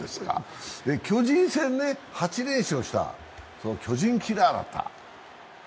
巨人戦８連勝した巨人キラーだった。